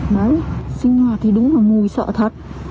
đấy sinh hoạt thì đúng là mùi sợ thật